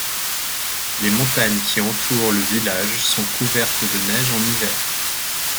Les montagnes qui entourent le village sont couvertes de neige en hiver.